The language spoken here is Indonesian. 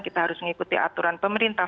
kita harus mengikuti aturan pemerintah